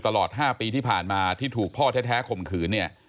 ตลอด๕ปีที่ผ่านมาที่ถูกพ่อแท้คมขืน